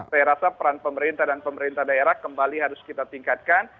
saya rasa peran pemerintah dan pemerintah daerah kembali harus kita tingkatkan